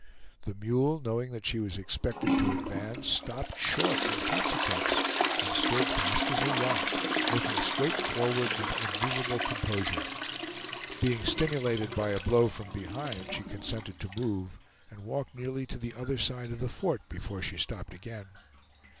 The mule, knowing that she was expected to advance, stopped short in consequence, and stood fast as a rock, looking straight forward with immovable composure. Being stimulated by a blow from behind she consented to move, and walked nearly to the other side of the fort before she stopped again.